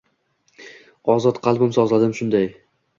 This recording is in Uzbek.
Ozod qalbim sozladim shunday